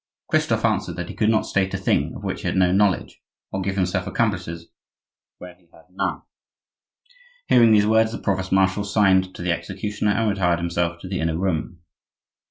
Christophe answered that he could not state a thing of which he had no knowledge, or give himself accomplices when he had none. Hearing these words, the provost marshal signed to the executioner and retired himself to the inner room.